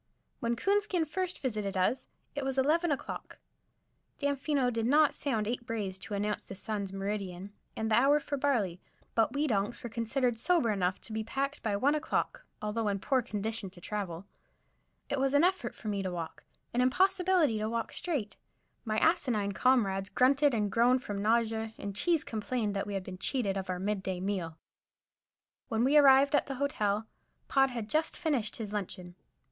When Coonskin first visited us it was eleven o'clock. Damfino did not sound eight brays to announce the sun's meridian and the hour for barley, but we donks were considered sober enough to be packed by one o'clock, although in poor condition to travel. It was an effort for me to walk, an impossibility to walk straight. My asinine comrades grunted and groaned from nausea, and Cheese complained that we had been cheated of our mid day meal. When we arrived at the Hotel, Pod had just finished his luncheon.